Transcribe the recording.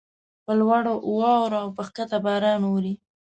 پر لوړو واوره اوکښته باران اوري.